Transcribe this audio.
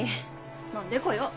飲んでこよう。